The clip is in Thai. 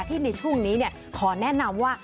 ที่ในช่วงนี้เนี่ยขอแนะนำว่า